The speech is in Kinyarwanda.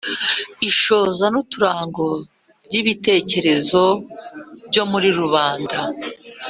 Inshoza n‘uturango by‘ibitekerezo byo muri rubanda